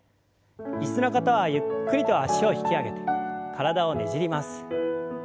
椅子の方はゆっくりと脚を引き上げて体をねじります。